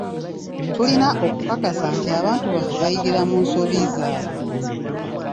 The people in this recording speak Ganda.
Tulina okukakasa nti abantu baffe bayigira mu nsobi zaabwe.